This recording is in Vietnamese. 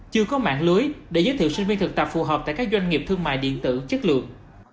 chưa có mạng lưới để giới thiệu sinh viên thực tập phù hợp tại các doanh nghiệp thương mại điện tử chất lượng